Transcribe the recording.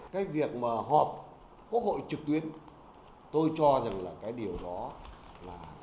cái việc mà họp quốc hội trực tuyến tôi cho rằng là cái điều đó là